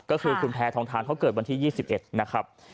ก็คือคุณแพทองทานเขาเกิดวันที่๒๑นะครับ